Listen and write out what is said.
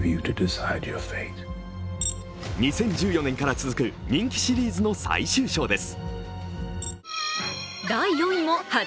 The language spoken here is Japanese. ２０１４年から続く、人気シリーズの最終章です。